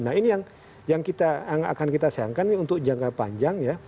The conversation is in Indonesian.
nah ini yang akan kita sayangkan untuk jangka panjang ya